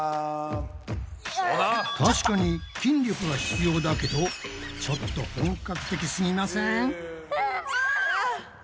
確かに筋力は必要だけどちょっと本格的すぎません？